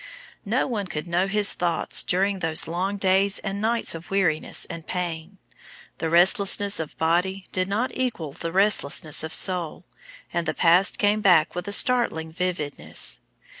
No one could know his thoughts during those long days and nights of weariness and pain. The restlessness of body did not equal the restlessness of soul, and the past came back with a startling vividness.